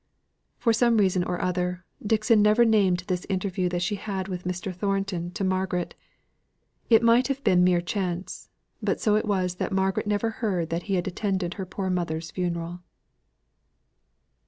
For some reason or other, Dixon never named this interview that she had had with Mr. Thornton to Margaret. It might have been mere chance, but so it was that Margaret never heard that he had attended her poor mother's funeral.